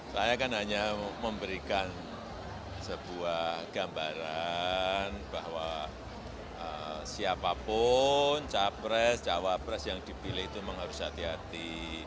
saya kan hanya memberikan sebuah gambaran bahwa siapapun capres cawapres yang dipilih itu memang harus hati hati